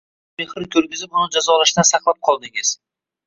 Siz mehr ko’rgizib, uni jazodan saqlab qoldingiz.